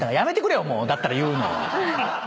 だったら言うのを。